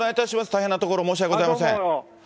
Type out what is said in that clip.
大変なところ、申し訳ございません。